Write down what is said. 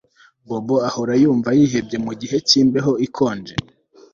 Bobo ahora yumva yihebye mugihe cyimbeho ikonje